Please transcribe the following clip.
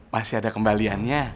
masih ada kembaliannya